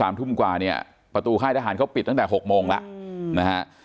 ตอน๓ทุ่มกว่าประตูค่ายทหารเขาปิดตั้งแต่๖โมงแล้ว